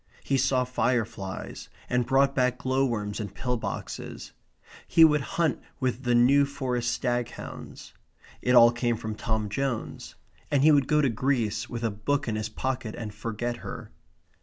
He saw fire flies, and brought back glow worms in pill boxes. He would hunt with the New Forest Staghounds. It all came from Tom Jones; and he would go to Greece with a book in his pocket and forget her.